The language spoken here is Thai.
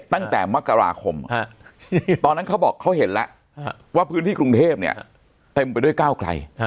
ตั้งแต่มกราคมตอนนั้นเขาบอกเขาเห็นแล้วว่าพื้นที่กรุงเทพเนี่ยเต็มไปด้วยก้าวไกล